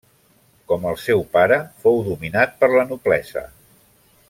Com el seu pare, fou dominat per la noblesa.